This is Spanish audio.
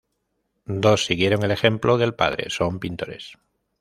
Dos siguieron el ejemplo del padre, son pintores.